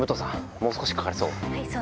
もう少しかかりそう？